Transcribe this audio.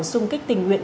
xung kích tình nguyện